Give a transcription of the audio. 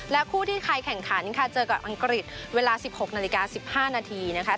คู่ที่ไทยแข่งขันค่ะเจอกับอังกฤษเวลา๑๖นาฬิกา๑๕นาทีนะคะ